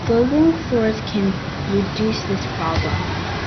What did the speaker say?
Floating floors can reduce this problem.